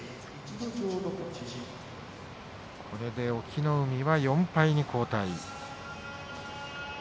隠岐の海は４敗に後退。